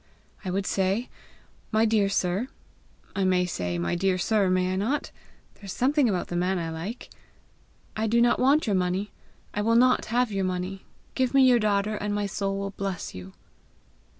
"I would say, 'My dear sir,' I may say 'My dear sir,' may I not? there is something about the man I like! 'I do not want your money. I will not have your money. Give me your daughter, and my soul will bless you.'"